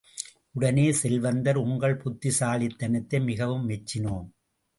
உடனே செல்வந்தர், உங்கள் புத்திசாலிதனத்தை மிகவும் மெச்சினோம்.